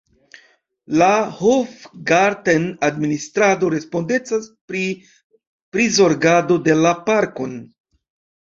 La Hofgarten-administrado respondecas pri prizorgado de la parkon.